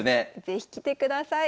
是非来てください。